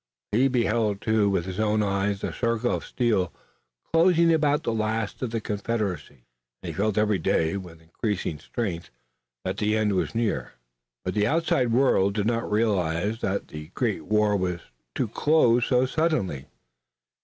He beheld too with his own eyes the circle of steel closing about the last hope of the Confederacy, and he felt every day, with increasing strength, that the end was near. But the outside world did not realize that the great war was to close so suddenly.